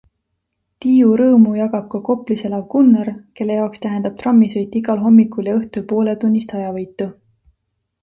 Tiiu rõõmu jagab ka Koplis elav Gunnar, kelle jaoks tähendab trammisõit igal hommikul ja õhtul pooletunnist ajavõitu.